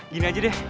gini aja deh